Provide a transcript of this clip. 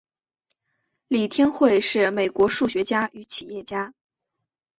李天惠是美国数学家与企业家。